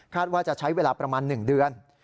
ว่าจะใช้เวลาประมาณ๑เดือน